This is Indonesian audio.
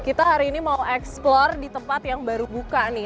kita hari ini mau eksplor di tempat yang baru buka nih